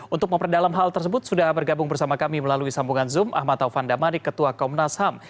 untuk memperdalam hal tersebut sudah bergabung bersama kami melalui sambungan zoom ahmad taufan damanik ketua komnas ham